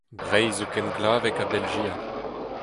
Breizh zo ken glavek ha Belgia.